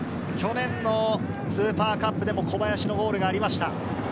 去年のスーパーカップでも小林のゴールがありました。